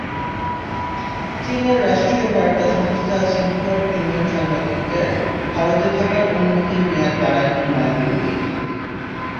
চীনের রাষ্ট্রীয় বার্তা সংস্থা সিনহুয়ার তিনজন সাংবাদিকের ভারতে থাকার অনুমতির মেয়াদ বাড়ায়নি নয়াদিল্লি।